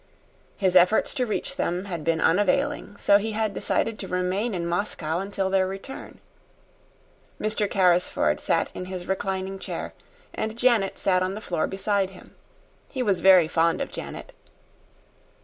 His efforts to reach them had been unavailing, so he had decided to remain in Moscow until their return. Mr. Carrisford sat in his reclining chair, and Janet sat on the floor beside him. He was very fond of Janet.